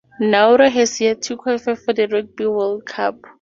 Nauru has yet to qualify for the Rugby World Cup.